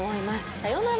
さようなら。